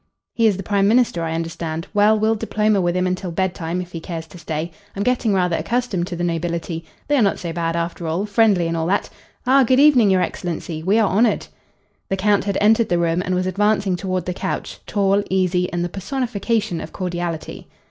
"He is the prime minister, I understand. Well, we'll diplome with him until bed time, if he cares to stay. I'm getting rather accustomed to the nobility. They are not so bad, after all. Friendly and all that Ah, good evening, your excellency! We are honored." The Count had entered the room and was advancing toward the couch, tall, easy and the personification of cordiality.